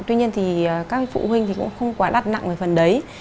tuy nhiên thì các phụ huynh thì cũng không quá đắt nặng về phần đấy